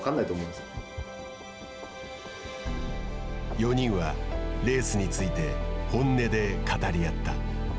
４人は、レースについて本音で語り合った。